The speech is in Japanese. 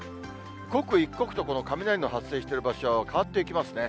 刻一刻と雷の発生している場所は変わっていきますね。